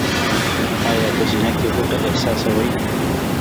ایا په سینه کې غوټه احساسوئ؟